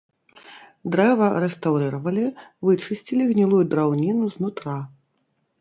Дрэва рэстаўрыравалі, вычысцілі гнілую драўніну з нутра.